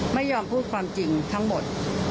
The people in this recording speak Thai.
ไม่ยอมพูดความจริงทั้งหมด